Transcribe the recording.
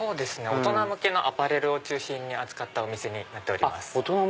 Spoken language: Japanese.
大人向けのアパレルを中心に扱ったお店になっております。